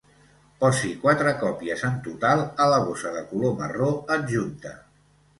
Posi quatre còpies en total a la bossa de color marró adjunta.